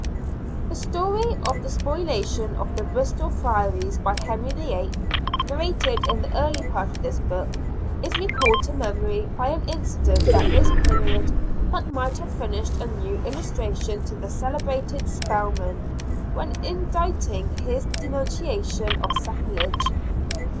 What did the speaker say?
The story of the spoliation of the Bristol Friaries by Henry VIII., narrated in the early part of this book, is re called to memory by an incident at this period that might have furnished a new illustration to the celebrated Spelman when inditing his denunciation of sacrilege.